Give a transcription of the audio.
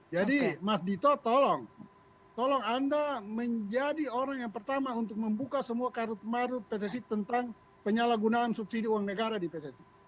jadi mas dito tolong tolong anda menjadi orang yang pertama untuk membuka semua karut marut pssi tentang penyalahgunaan subsidi uang negara di pssi